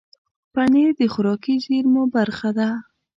پنېر د خوراکي زېرمو برخه ده.